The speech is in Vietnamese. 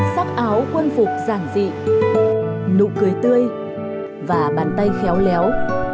sắc áo quân phục giản dị nụ cười tươi và bàn tay khéo léo